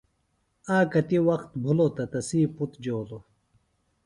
آک کتیۡ وخت بِھلوۡ تہ تسی پُتر جولوۡ